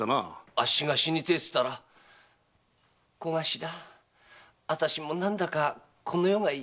あっしが死にてえと言ったら「小頭あたしも何だかこの世が嫌になってたんだよ」